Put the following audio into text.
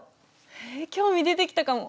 へえ興味出てきたかも。